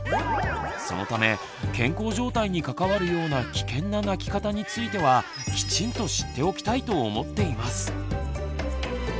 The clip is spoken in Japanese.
そのため健康状態に関わるような危険な泣き方についてはきちんと知っておきたいと思っています。